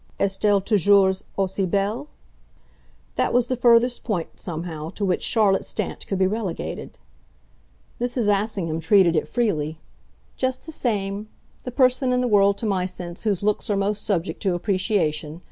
"Est elle toujours aussi belle?" That was the furthest point, somehow, to which Charlotte Stant could be relegated. Mrs. Assingham treated it freely. "Just the same. The person in the world, to my sense, whose looks are most subject to appreciation.